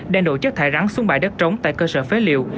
đang đổ chất thải rắn xuống bãi đất trống tại cơ sở phế liệu